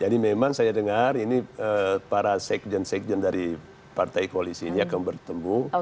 jadi memang saya dengar ini para sekjen sekjen dari partai koalisi ini akan bertemu